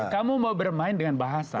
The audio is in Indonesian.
kamu mau bermain dengan bahasa